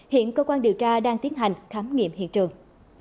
hiện cơ quan điều tra đang tiến hành khám nghiệm hiện trường